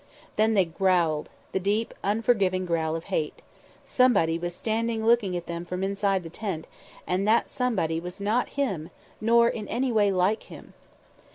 Then they growled, the deep, unforgiving growl of hate. Somebody was standing looking at them from inside the tent, and that somebody was not Him, nor in any way like Him.